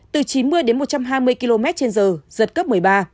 từ chín mươi đến một trăm hai mươi km trên giờ giật cấp một mươi ba